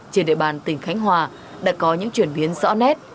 trên địa bàn tỉnh khánh hòa đã có những chuyển biến rõ nét